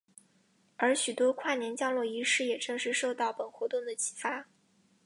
而许多跨年降落仪式也正是受到本活动的启发。